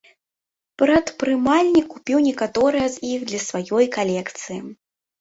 Прадпрымальнік купіў некаторыя з іх для сваёй калекцыі.